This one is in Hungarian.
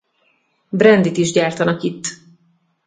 Brandyt is gyártanak itt.